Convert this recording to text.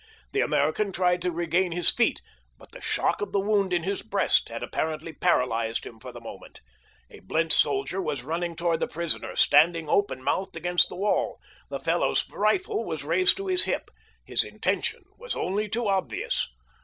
The American tried to regain his feet, but the shock of the wound in his breast had apparently paralyzed him for the moment. A Blentz soldier was running toward the prisoner standing open mouthed against the wall. The fellow's rifle was raised to his hip—his intention was only too obvious.